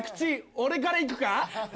俺から行くか？